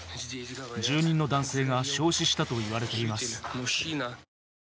住人の男性が焼死したと言われています。